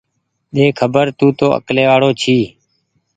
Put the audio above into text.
ۮيکبر تونٚ تو اڪلي وآڙو ڇي